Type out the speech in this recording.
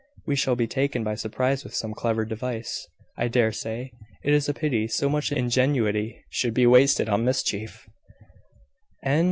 "We shall be taken by surprise with some clever device, I dare say. It is a pity so much ingenuity should be wasted on mischief."